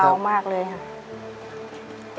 ยาวมากเลยครับ